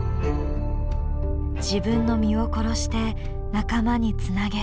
自分の身を殺して仲間につなげる。